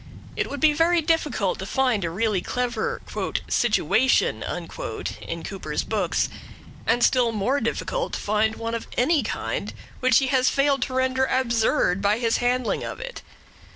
It would be very difficult to find a really clever "situation" in Cooper's books, and still more difficult to find one of any kind which he has failed to render absurd by his handling of it.